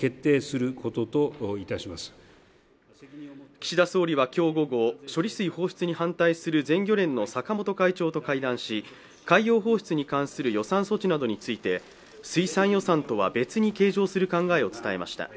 岸田総理は今日午後処理水放出に反対する全漁連の坂本会長と会談し海洋放出に関する予算措置などについて水産予算とは別に計上する考えを伝えました